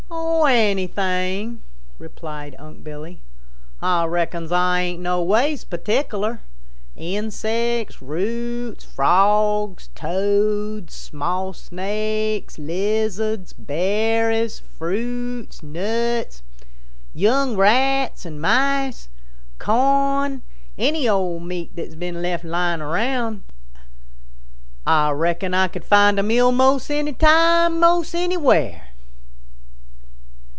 "Anything," replied Unc' Billy. "Ah reckons Ah ain't no ways particular insects, roots, Frogs, Toads, small Snakes, Lizards, berries, fruits, nuts, young Rats and Mice, corn, any old meat that has been left lying around. Ah reckon Ah could find a meal most any time most anywhere."